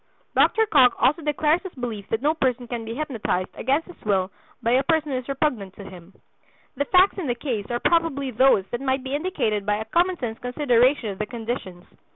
Dr. Cocke also declares his belief that no person can be hypnotized against his will by a person who is repugnant to him. The facts in the case are probably those that might be indicated by a common sense consideration of the conditions.